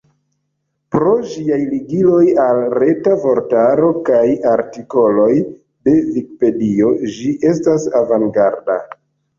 Pro ĝiaj ligiloj al Reta Vortaro kaj artikoloj de Vikipedio ĝi estas avangarda.